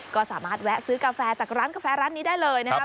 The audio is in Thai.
ก็สามารถแวะซื้อกาแฟจากร้านกาแฟร้านนี้ได้เลยนะครับ